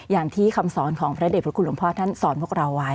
อย่างที่คำสอนของพระเด็จพระคุณหลวงพ่อท่านสอนพวกเราไว้